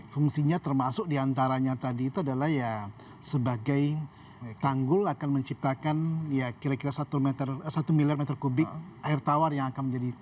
fungsinya termasuk diantaranya tadi itu adalah ya sebagai tanggul akan menciptakan ya kira kira satu miliar meter kubik air tawar yang akan menjadi